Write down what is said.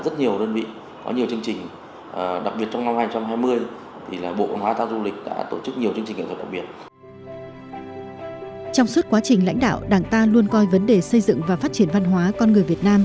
trong suốt quá trình lãnh đạo đảng ta luôn coi vấn đề xây dựng và phát triển văn hóa con người việt nam